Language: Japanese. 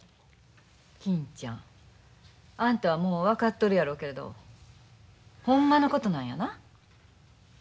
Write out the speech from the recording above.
金ちゃんあんたはもう分かっとるやろうけれどほんまのことなんやな？